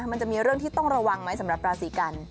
มันจะมีเรื่องที่ต้องระวังไหมสำหรับราศีกัน